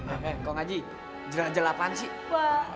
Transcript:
eh kong aji jangan jelapan sih